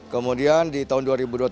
kemudian di tahun dua ribu dua puluh satu